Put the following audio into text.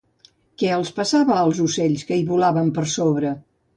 Que els passava als ocells que hi volaven per sobre?